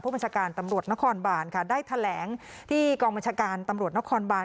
บัญชาการตำรวจนครบานค่ะได้แถลงที่กองบัญชาการตำรวจนครบาน